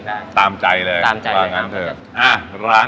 ก็เลยเริ่มต้นจากเป็นคนรักเส้น